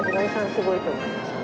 すごいと思いました。